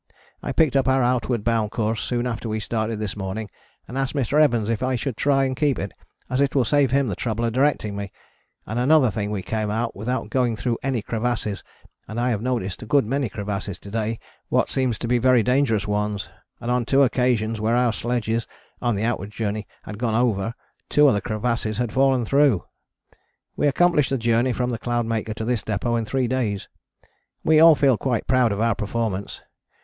I picked up our outward bound course soon after we started this morning and asked Mr. Evans if I should try and keep it, as it will save him the trouble of directing me, and another thing we came out without going through any crevasses and I have noticed a good many crevasses to day what seems to be very dangerous ones, and on two occasions where our sledges [on the outward journey] had gone over, two of the crevasses had fallen through. We accomplished the journey from the Cloudmaker to this depôt in three days. We all feel quite proud of our performance.